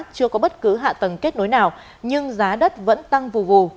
chưa có bất cứ hạ tầng kết nối nào nhưng giá đất vẫn tăng vù